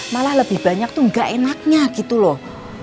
malah lebih banyak tuh gak enaknya gitu loh